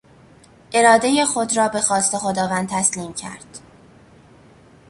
ارادهی خود را به خواست خداوند تسلیم کرد.